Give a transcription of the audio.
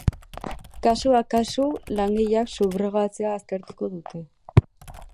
Kasuan kasu, langileak subrogatzea aztertuko dute.